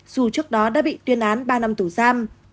dù trước đó đã bị tuyên án ba năm tù giam